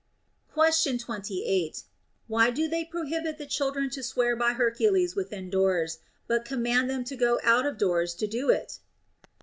Question 28. Why do they prohibit the children to swear by Hercules within doors, but command them to go out of doors to do it